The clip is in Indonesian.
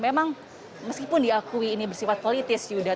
memang meskipun diakui ini bersifat politis yuda